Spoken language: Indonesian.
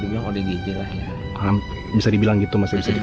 bisa dibilang begitu